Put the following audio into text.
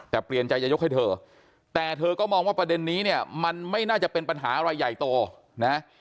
แต่เปลี่ยนใจจะยกให้เธอแต่เธอก็มองว่าประเด็นนี้เนี่ยมันไม่น่าจะเป็นปัญหาอะไรใหญ่โตนะ